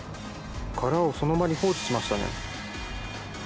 殻をその場に放置しましたね。